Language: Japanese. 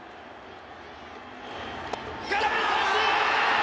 空振り三振！